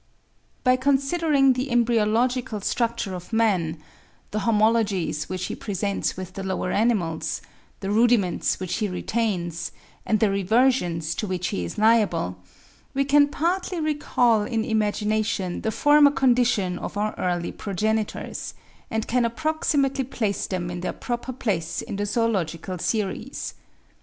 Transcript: By considering the embryological structure of man,—the homologies which he presents with the lower animals,—the rudiments which he retains,—and the reversions to which he is liable, we can partly recall in imagination the former condition of our early progenitors; and can approximately place them in their proper place in the zoological series.